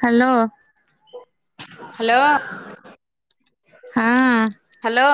Hello. Hello. ହଁ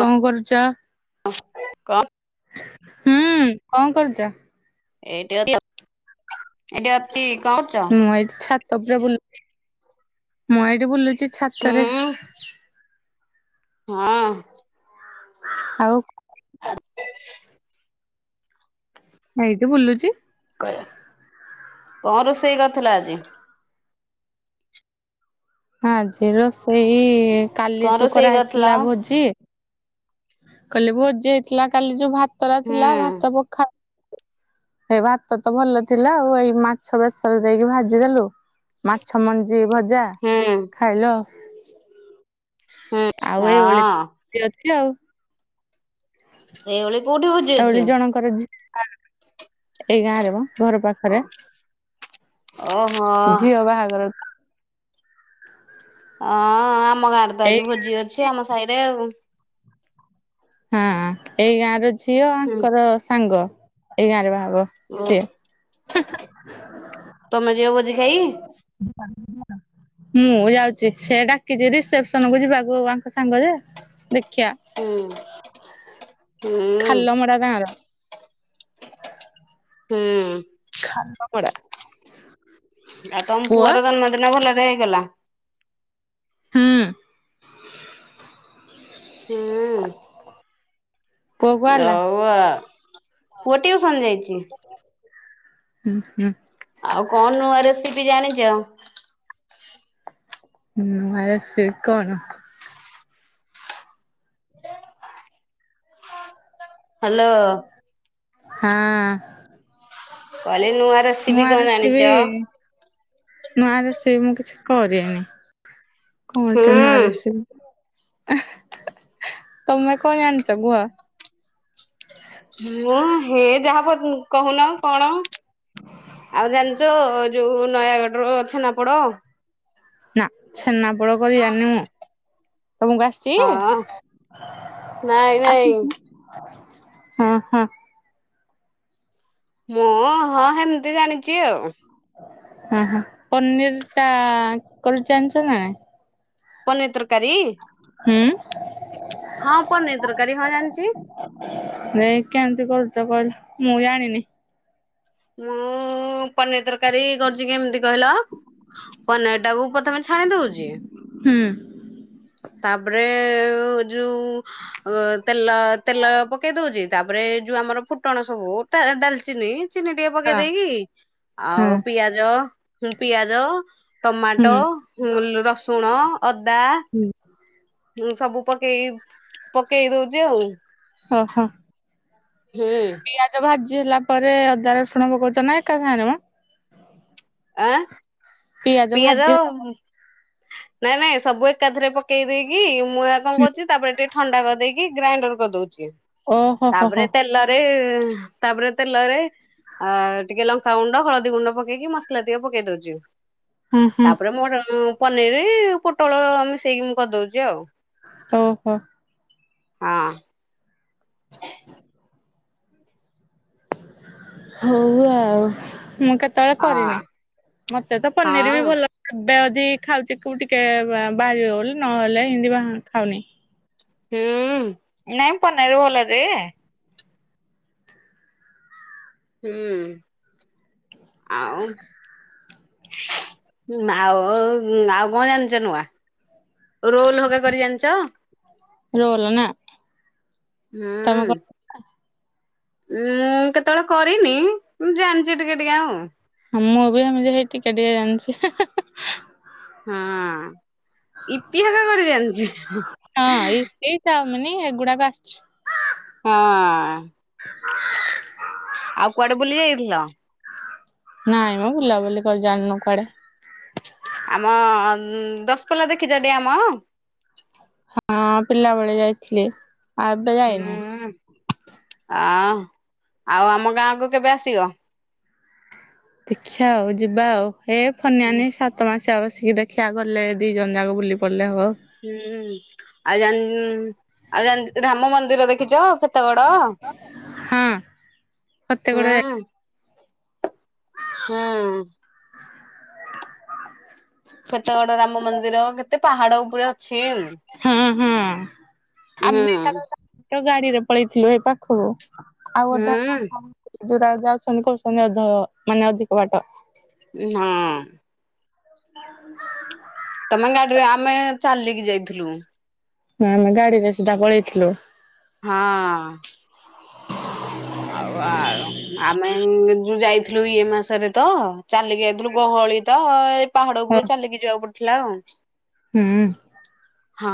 କଣ କରୁଛ? ଙ୍କ ହୁଁ କଣ କରୁଛ? ଏଇଟା ଏଇଟା ଅତି ମୁଁ ଏଇ ଛାତ ଉପରେ ବୁ ମୁଁ ଏଇଠି ବୁଲୁଛି। ହୁଁ ଛାତରେ ହଁ। ଆଉ। ଆ ଏଇଠି ତ ବୁଲୁଚି। [unintelligible] କଣ ରୋଷେଇ କରିଥିଲ ଆଜି? ଆଜି ରୋଷେଇ କାଲି କଣ ଯୋ ରୋଷେଇ କରିଥିଲ? କରାହେଇଥିଲା ଭୋଜି। କହିଲେ ଭୋଜି ହେଇଥିଲା କାଲି ଯୋଉ ଭାତରା ହୁଁ ଥିଲା ଭାତ ପଖା ଏ ଭାତ ତ ଭଲ ଥିଲା ଆଉ ଏଇ ମାଛ ବେସରେ ଦେଇକି ଭାଜିଦେଲୁ ମାଛ ମଞ୍ଜି ଭଜା ହୁଁ ଇଲୁ ଆଉ। ହୁଁ ଆଉ ଏଇ ହଁ ଓଳି ତ [unintelligible] ଅଛି ଆଉ। ଏ ଓଳି ଏଭଳି ଜଣଙ୍କର ଝିଅ ଏଇ ଗାଁରେ ମ ଘର ପାଖରେ ଓହୋ ହଁ ଝିଅ ବାହାଘର ହଁ ଆମ ଗାଁରେ ତ ଏଇ ଆଜି ଭୋଜି ଅଛି ଆମ ସାହିରେ ଆଉ। ହଁ ଏଇ ଗାଁର ଝିଅ ହୁଁ ଆଙ୍କର ସାଙ୍ଗ। ଏଇ ଗାଁ ରେ ବାହାହୋ ଓ ହ ସିଏ ତମେ ଯିବ ଭୋଜି ଖାଇ? ମୁଁ ଯାଉଛି ସେ ଡାକିଛି ରିସେପସନ କୁ ଯିବାକୁ ଆଙ୍କ ସାଙ୍ଗ ଯେ ଦେ ହୁଁ। ହୁଁ ଖାଲମଡ଼ା ଗାଁର ହୁଁ। ଖାଲପଡ଼ା। ଆଉ ତମ ପୁଅର ଜନ୍ମଦିନ ଭଲରେ ହେଇଗଲା? ହୁଁ। ହୁଁ। ପୁଅ କୁ ଆଲା ଆଉ ପୁଅ ଟିଉସନ ଯାଇଚି। ହୁଁ ହୁଁ। ଆଉ କଣ ନୂଆ ରେସିପି ଜାଣିଚ? ହୁଁ ଆ ସେ କଣ? ହ୍ୟାଲୋ। ହଁ। କହିଲି ନୂଆ ରେ ସିପି ନୂଆ କଣ ରେସିପି ଜାଣିଚ? ନୂଆ ରୋଷେଇ ମୁଁ କିଛି କରିନି କଣ ଗୋଟେ ନୂଆ ହୁଁ ରୋଶେଇ ତମେ କଣ ଜାନିଚ କୁହ? ମୁଁ ହେ ଯାହା କ କହୁନ କଣ ଆଉ ଜାଣିଚ ଯୋଉ ନୟାଗଡ ର ଛେନା ପୋଡ଼ ନା ଛେନା ପୋଡ଼ କରି ଯାଣିନି ମୁଁ ତମକୁ ଆସିଛି? ହଁ ନାଇଁ ନାଇଁ ଆସିଚି ହଁ ହଁ। ମୁଁ ହଁ ହେମତି ଜାଣିଛି ଆଉ। ହ ହ ପନିର୍ ଟା କରି ଜାଣିଛ ନା ନାଇ? ପନିର୍ ତରକାରୀ? ହୁଁ। ହଁ ପନିର୍ ତରକାରୀ ହଁ ଜାଣିଚି। ତ କହିଲି ମୁଁ ଯାଣିନି। ମୁ ପନିର୍ ତରକାରୀ କରୁଛି କେମିତି କହିଲ ପନିର ଟାକୁ ପ୍ରଥମେ ଛାଣି ଦଉଚି ହୁଁ। ତାପରେ ଯୋଉ ତେଲ ତେଲ ପକେଇ ଦଉଚି ତାପରେ ଯୋଉ ଆମର ଫୁଟଣ ସବୁ ଟା ଡାଲିଚିନି ଚିନି ଟିକେ ପକେଇ ହଁ ଦେଇକି ହଁ ଆଉ ପିଆଜ ପିଆଜ ହୁଁ ଟମାଟୋ ରସୁଣ ଅଦା [inaudible] ସବୁ ପକେଇ ପକେଇ ଦଉଛି ଆଉ। ହ ହ। ହୁଁ। ଜ ହେଲା ପରେ ଅଦା ରଶୁଣ ପକଉଛ ନା ଏକା ସାଙ୍ଗରେ ମ? ଆଁ ପିଆଜ ଭାଜି ନାଇଁ ନାଇଁ ସବୁ ଏକାଥରେ ପକେଇ ଦେଇକି ମୁଏରା କଣ ପରେ କରୁଛି ତାପରେ ଟିକେ ଥଣ୍ଡା କରିଦେଇକି ଗ୍ରାଇଣ୍ଡର କରି ଦଉଚି। ଓହୋ ହୋ ତାପରେ ହୋ ତେଲରେ ତାପରେ ତେଲରେ ଆ ଟିକେ ଲଙ୍କାଗୁଣ୍ଡ ହଳଦୀ ଗୁଣ୍ଡ ପକେଇକି ମସଲା ଟିକେ ପକେଇ ଦଉଚି। ହୁଁ ହୁଁ ତାପରେ ମୋର ପନିରି ପୋଟଳ ମିଶେଇକି ମୁଁ କରିଦଉଛି ଆଉ। ଓହୋ। ହଁ। ହଉ ଆଉ। ମୁଁ କେତେବେଳେ ହଁ କରିନି। ମତେ ତ ପନିର ହଁ ବି ଭଲ [unintelligible] ଖାଉଛି ଟିକେ ବାହାରିବ ବୋଲି ନହେଲେ ହିନ୍ତି ବ ଖାଉନି। ହୁଁ ନାଇ ପନିରି ଭଲ ଯେ। ହୁଁ ଆଉ ଆଉ ଆଉ କଣ ଜାଣିଛ ନୂଆ? ରୋଲ ହଗା କରି ଜାଣିଚ? ରୋଲ ନା। ହୁଁ। ତମେ ମୁଁ କେତେବେଳେ କରିନି। ମୁଁ ଜାଣିଛି ଟିକେ ଟିକେ ଆଉ। ମୁଁ ବି ସେମିତି ହେଇ ଟିକେ ଟିକେ ଜାଣିଚି। ହଁ ଇପି ହକା କରି ଜାଣିଚି। ମାନେ ହେଗୁଡାକ ଆସିଚି। ହଁ। [inaudible] ଆଉ କୁଆଡେ ବୁଲି ଯାଇଥିଲ? ନାଇଁ ମା ବୁଲାବୁଲି କରି ଜାଇନୁ କୁଆଡେ। ଆମ ଦଶପଲ୍ଲା ଦେଖିଛ ଡ୍ୟାମ! ହଁ ପିଲାବେଳେ ଯାଇଥିଲି ଆ ଏବେ ଯାଇନି। ହୁଁ। ଆ ଆଉ ଆମ ଗାଁକୁ କେବେ ଆସିବ? ଦେଖିଆ ଆଉ ଯିବା ଆଉ ଏ ଫନିଆନି ସାତ ମାସ ବସିକି ଦେଖିଆ ଗଲେ ଦି ଜଣ ଯାକ ବୁଲି ପ ହୁଁ ଆଉ ଜା ଆଉ ଜା ରାମ ମନ୍ଦିର ଦେଖିଚ? ଫତେଗଡ? ହଁ ଫତେଗଡ ହୁଁ। ହୁଁ। ଫତେଗଡ ରାମ ମନ୍ଦିର କେତେ ପାହାଡ ଉପରେ ଅଛି। ହଁ ହୁଁ [unintelligible] ପଳେଇଥିଲୁ ଏ ପାଖକୁ ଆଉ ଅଧା ହୁଁ ଯୋଉରା ଯାଉଛନ୍ତି କହୁଛନ୍ତି ଅଧ ମାନେ ଅଧିକ ବାଟ। ହଁ। [inaudible] ତମେ ଗାଡିରେ ଆମେ ଚାଲିକି ଯାଇଥିଲୁ। ଆମେ ଗାଡିରେ ସିଧା ପଳେଇଥିଲୁ। ହଁ। ଆଉ ଆଉ ଆମେ ଯୋଉ ଯାଇଥିଲୁ ଇଏ ମାସରେ ତ ଚାଲିକି ଯାଇଥିଲୁ। ଗହ ଗହଳି ତ ଏଇ ପାହାଡ ହଁ ଉପରୁ ଚାଲିକି ଯିବାକୁ ପଡିଥିଲା ଆଉ। ହୁଁ। ହଁ।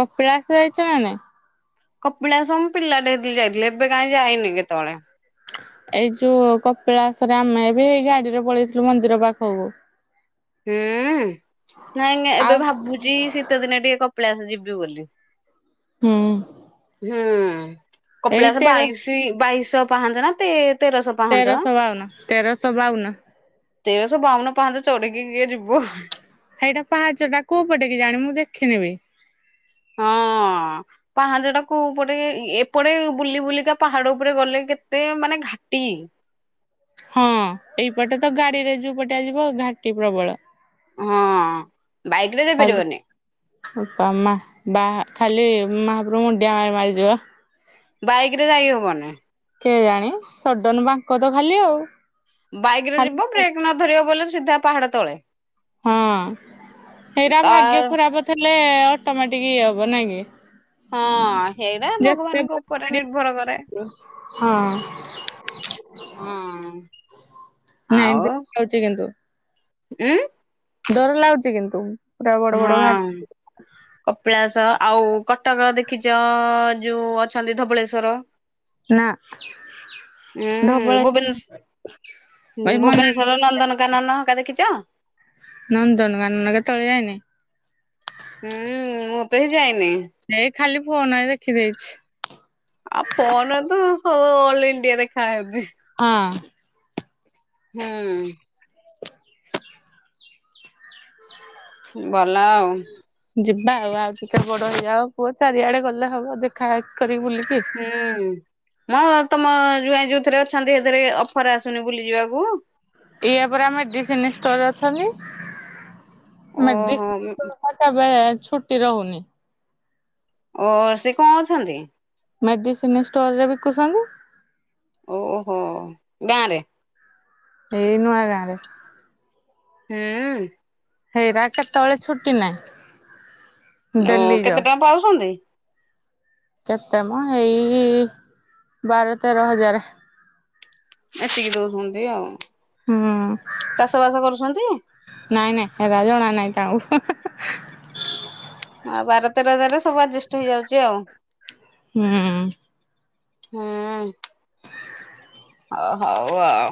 କପିଳାଶ ଯାଇଚ ନା ନାଇଁ? କପିଳାସ ମୁଁ ପିଲାଟେ ହେଇଥିଲି ଯାଇଥିଲି। ଏବେ କାହିଁ ଯାଇନି କେତେବେଳେ। ଏଇ ଯୋଉ କପିଳାସରେ ଆମେ ବି ଏଇ ଗାଡିରେ ପଳେଇଥିଲୁ ମନ୍ଦିର ପାଖକୁ। ହୁଁ ନାଈ ନାଈ ଏବେ ଆଉ ଭାବୁଚି, ଶିତ ଦିନେ ଟିକେ କପିଳାସ ଯିବୁ। ବୁ ବଲି। ହୁଁ। ହୁଁ ଏଇ କପିଳାସ ତେରଶ ବାଇଶ ବାଇଶହ ପାହାଚ ନା ତେ ତେରଶହ ପାହାଞ୍ଚ ତେରଶହ ବାଉନ ତେରଶହ ବାଉନ। ତେର ସ ବାଉନ ପାହୁଞ୍ଚ ଚଡଡିକି କିଏ ଯିବ? ଏଇଟା ପାହାଚ ଟା କୋଉ ପଟେ କେ ଜାଣି ମୁଁ ଦେଖିନେବି। ହଁ। ହଁ ପାହାଜ ଟା କୋଉ ପଟେ ଏପଟେ ବୁଲି ବୁଲିକା ପାହାଡ ଉପରେ ଗଲେ କେତେ ମାନେ ଘା ହଟି ହଁ ଏଇପଟେ ତ ଗାଡିରେ ଯୋଉ ପଟେ ଆ ଯିବ ଘାଟି ପ୍ରବଳ। ହଁ ବାଇକରେ ଖାଲି ଯାଇପାରିବନି? ମା ବା ଖାଲି ମହାପ୍ରଭୁଙ୍କୁ ମୁଣ୍ଡିଆ ମାରି ମାରିଯିବା। ବାଇକରେ ଯାଇ ହବନି। କେ ଜାଣି ସଡନ ବାଙ୍କ ତ ଖାଲି ଆଉ। ବାଇକରେ ଖାଲି ଯିବ ହଁ। ବ୍ରେକ୍ ନ ଧରିବ ବଲେ ସିଧା ପାହାଡ ତଳେ। ହଁ ଏଇରା ଭାଗ୍ୟ ତା ଖରାପ ଥିଲେ ଟମାଟିକି ଇଏ ହବ ନାଇଁ କି? ହଁ ହେଇଟା ଯେତେ ଭଗବାନଙ୍କ ଉପରେ ନିର୍ଭର କରେ। [unintelligible] ହଁ ହଁ। ନାଇ ଆଉ ଦେଖୁଛି କିନ୍ତୁ। ଉଁ? ଡର ଲାଗୁଚି କିନ୍ତୁ ପୁରା ବଡ ବଡ ହଁ ଘାଟି କପିଳାସ ଆଉ କଟକ ଦେଖିଚ ଯୋଉ ଅଛନ୍ତି ଧବଳେଶ୍ଵର। ନା। ହୁଁ ଧବଳ ଭୁବନେଶ ଏଇ ମନା ଭୁବନେଶ୍ଵର ନନ୍ଦନକାନନ ହଙ୍କା ଦେଖିଚ? ନନ୍ଦନ କାନନ କେତବେଳେ ଯାଇନି। ହୁଁ ମୁଁ ତ ହିଁ ଯାଇନି। ଏଇ ଖାଲି ଫୁନରେ ଦେଖିଦେଇଚି। ଆଉ ଫୋନ ତ ସବୁ ଅଲ ଇଣ୍ଡିଆ ଦେଖାହାଉଚି। ହଁ। ହୁଁ। ଭଲ ଆଉ। ଯିବା ଆଉ ଆଉ ଟିକେ ବଡ ହେଇଯ ଆଉ ପୁଅ ଚାରିଆଡେ ଗଲେ ହବ ଦେଖା କରିକି ବୁଲିକି। ହୁଁ। ମଁ ତମ ଜ୍ୱାଇଁ ଯୋଉଥିରେ ଅଛନ୍ତି ସେଥିରେ ଅଫର ଆସୁନି ବୁଲି ଯିବାକୁ? ଇା ପରା ମେଡିସିନ ଷ୍ଟୋର ଅଛନ୍ତି। ମବେ ଓହୋ [unintelligible] ଛୁଟି ରହୁନି। ଓ ସେ କଣ ଅଛନ୍ତି? ମେଡିସିନ ଷ୍ଟୋର ରେ ବିକୁଛନ୍ତି। ଓହୋ ଗାଁରେ? ଏଇ ନୁଆଗାଁ ରେ। ହୁଁ। ହେଇରା କେତେବେଳେ ଛୁଟି ନାହିଁ। ଓ ଡେଲି ଯାଅ। କେତେ ଟାଇମ ପାଉଚନ୍ତି? କେତେ ମ ଏଇ ବାର ତେର ହଜାର। ଏତି କିି ଦୋଉଚନ୍ତି ଆଉ। ହୁଁ ଚାଷ ବାସ କରୁଛନ୍ତି ନାଇଁ ନାଇଁ ହେରା ଜଣା ନାଇଁ। ଯାଉ। ଆଉ ବାର ତେର ହଜାରରେ ସବୁ ଆଡଜଷ୍ଟ ହେଇଯାଉଚି ଆଉ। ହୁଁ। ହଁ। ହ ହଉ ଆଉ।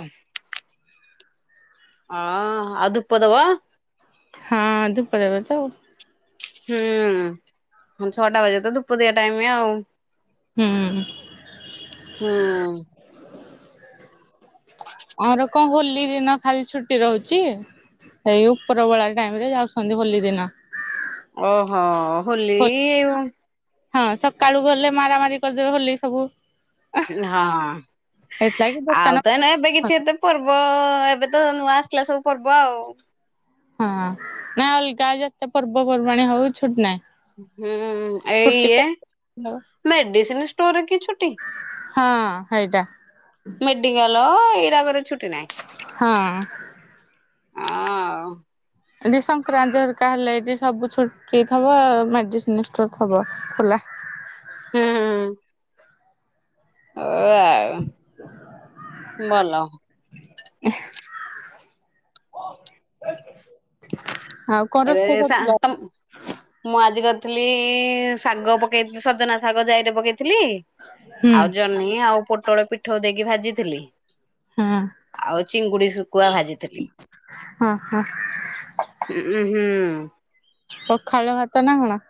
ଅ ଆଉ ଧୂପ ଦବ। ହଁ ଧୂପ ଦେବୀ ତ ଆଉ। ହୁଁ ହଁ ଛଅଟା ବାଜିଲେ ତ ଧୂପବଦିଆ ଟାଇମ ଆଉ। ହୁଁ। ହୁଁ। ଆର କଣ ହୋଲ। ହୋଲି ଦିନ ଖାଲି ଛୁଟି ରହୁଛି ହେଇ ଉପରବେଳା ଟାଇମ ରେ ଯାଉଛନ୍ତି ହୋଲି ଦିନ। ଓହୋ ହୋଲି ଉ। ହଁ ସକାଳୁ ଗଲେ ମାରାମାରି କରିଦେବେ ହୋଲି ସବୁ। ହଁ। ସେଥିଲାଗି ଦୋକାନ ଆଉ ତ ଏଇନା ଏବେ କିଛି ହଁ ଏତେ ପର୍ବ ଏବେ ତ ନୂଆ ଆସିଲା ସବୁ। ପର୍ବ ଆଉ। ହଁ ନାଇ ଅଲଗା ଯେତେ ପର୍ବପର୍ବାଣି ହଉ ଛୁଟି ନାହିଁ। ହୁଁ ଏଇ ଛୁଟି ଇଏ ମେଡିସିନ ଷ୍ଟୋର ରେ କି ଛୁ ହଁ ହେଇଟା। ମେଡିକାଲ ଇରାକରେ। ହଁ। ଅଁ ଆଉ। ଏଠି ସଂକ୍ରାନ୍ତି ହରିକା ହେଲେ ଏଠି ସବୁ ଛୁଟି ଥବ ମେଡିସିନ ଷ୍ଟୋର ଥବ ଖୋଲା। ହୁଁ। ଓ ଆଉ ଭଲ। ଆଉ କଣ ଏବେ ରୋଷେଇ ସା କରିଥିଲ? ତମ ମୁଁ ଆଜିି କ ରି ଥିଲି ଶାଗ ପକେଇ ସଜନା ଶାଗ ଜାଇରେ ପକେଇ। ଥୀଲି ହୁଁ ଆଉ ଜହ୍ନି ଆଉ ପୋଟଳ ପିଠଉ ଦେଇକି ଭାଜିଥିଲି। ହଁ ଆଉ ଚିଙ୍ଗୁଡି ଶୁଖୁଆ ଭାଜିଥିଲି। ହଁ ହଁ ଉଁ ହୁଁ ପଖାଳ ଭାତ ନା କଣ।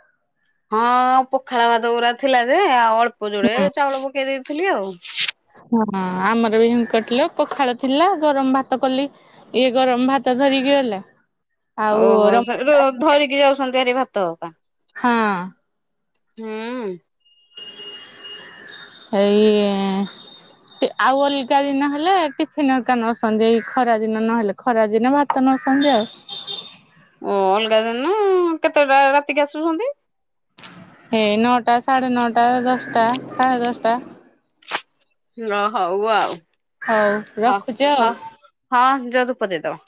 ହଁ ପଖାଳ ଭାତ ଗୁରା ଥିଲା ଯେ ଆଉ ଅଳ୍ପ ଯୋଡେ ହୁଁ ଚାଉଳ ପକେଇ ଦେଇଥିଲି ଆଉ। ହଁ ଆମର ବି ସେମତି କରଥୀଲେ ପଖାଳ ଥିଲା ଗରମ ଭାତ କଲି ଇଏ ଗରମ ଭାତ ଧରିକି। ଗଲେ। ଓହୋ ସେଠୁ ଧରିକି ଯାଉଛନ୍ତି ହାରି ଭାତ ହକା। ହଁ। ହୁଁ। ହେଇ। ଆଉ ଅଲଗା ଦିନ ହେଲେ ଟିଫିନ ହରିକା ନଉସନ୍ତି ଏଇ ଖରା ଦିନ ନହେଲେ ଖରା ଦିନେ ଭାତ ନଉ ଛନ୍ତି ଆଉ। ଓ ଅଲଗା ଦିନ କେତେଟା ରାତିକି ଆସୁଛନ୍ତି। ହେଇ ନଅଟା ସାଢେ ନଅଟା ଦଶଟା ସାଢ଼େ ଦଶଟା। ଲ ହଉ ଆଉ ହଉ ରଖୁଛି ଆଉ। ହଉ ହଁ ହି। ଯାଅ ଧୂପ ଦେଇଦବ।